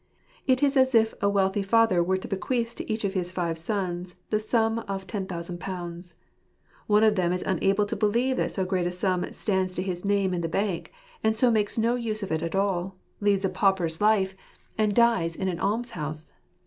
It is as if a wealthy father were to bequeath to each of his five sons the sum of ^10,000. One of them is unable to believe that so great a sum stands to his name in the bank, and so makes no use of it at all, leads a pauperis life, and *74 ®l)e tercet oi glfiBSE&jtEss. dies in an almshouse.